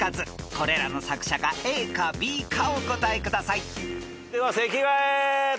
［これらの作者がＡかＢかお答えください］では席替え。